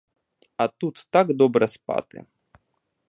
А тут так добре спати.